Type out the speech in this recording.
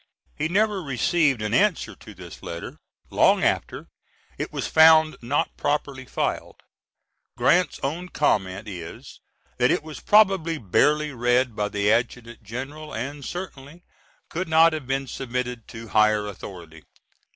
He never received an answer to this letter; long after, it was found not properly filed. Grant's own comment is, that it was probably barely read by the adjutant general and certainly could not have been submitted to higher authority.